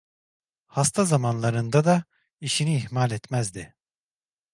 Hasta zamanlarında da işini ihmal etmezdi.